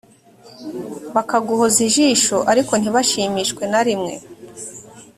bakaguhozaho ijisho ariko ntibashimishwe na rimwe